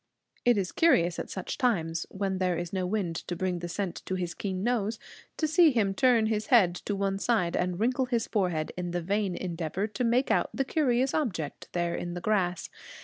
It is curious at such times, when there is no wind to bring the scent to his keen nose, to see him turn his head to one side, and wrinkle his forehead in the vain endeavor to make out the curious object there in the grass.